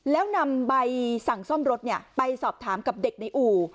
แล้วนำใบสั่งซ่อมรถไปสอบถามกับเด็กในอู่